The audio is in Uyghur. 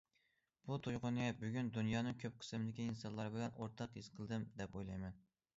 بۇ تۇيغۇنى بۈگۈن دۇنيانىڭ كۆپ قىسمىدىكى ئىنسانلار بىلەن ئورتاق ھېس قىلدىم دەپ ئويلايمەن.